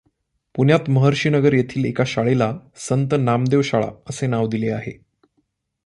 पुण्यात महर्षीनगर येथील एका शाळेला संत नामदेव शाळा असे नाव दिले आहे.